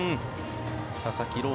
佐々木朗